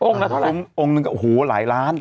องค์ละเท่าไหร่องค์หนึ่งก็หูหลายล้าน